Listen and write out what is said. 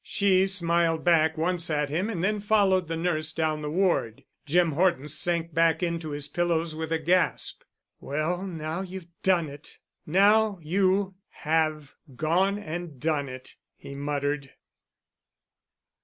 She smiled back once at him and then followed the nurse down the ward. Jim Horton sank back into his pillows with a gasp. "Well—now you've done it. Now you have gone and done it," he muttered.